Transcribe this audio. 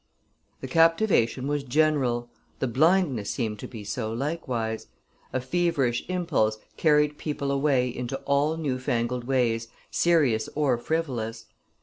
The captivation was general, the blindness seemed to be so likewise; a feverish impulse carried people away into all newfangled ways, serious or frivolous.